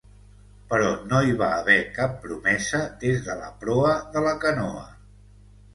Però no hi va haver cap promesa des de la proa de la canoa.